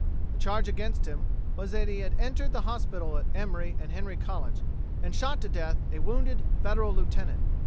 The charge against him was that he had entered the hospital at Emery and Henry College and shot to death a wounded Federal lieutenant.